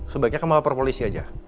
sebaiknya kamu lapor polisi aja